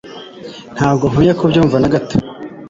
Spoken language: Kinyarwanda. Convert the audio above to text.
Ntabwo nkwiye kubyumva nagato